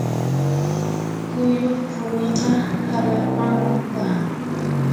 Kuyuq rumiqa halaqanqa.